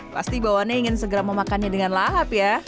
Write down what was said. pasti bawahnya ingin segera memakannya dengan lahap ya